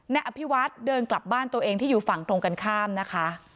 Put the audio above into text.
นายอภิวัฒน์เดินกลับบ้านตัวเองที่อยู่ฝั่งตรงกันข้ามนะคะ